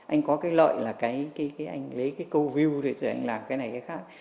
anh có cái lợi là anh lấy cái câu view rồi anh làm cái này cái khác